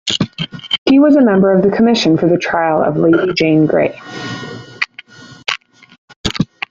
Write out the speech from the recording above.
He was a member of the commission for the trial of Lady Jane Grey.